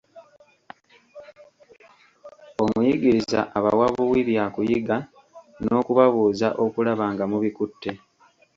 Omuyigiriza abawa buwi bya kuyiga n'okubabuuza okulaba nga mubikutte.